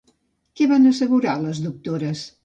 Què van assegurar les doctores?